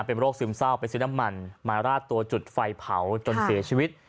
เป็นโรคซึมเศร้าไปซื้อน้ำมันมาราดตัวจุดไฟเผาจนเสียชีวิต